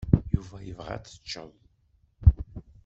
Yuba yebɣa ad teččeḍ.